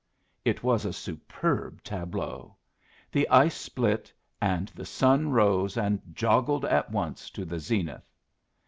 It was a superb tableau: the ice split, and the sun rose and joggled at once to the zenith.